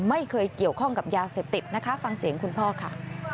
ไม่เคยเกี่ยวข้องกับยาเสพติดนะคะฟังเสียงคุณพ่อค่ะ